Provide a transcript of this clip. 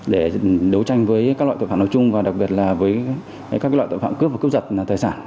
để đấu tranh với các loại tội phạm nói chung và đặc biệt là với các loại tội phạm cướp và cướp giật tài sản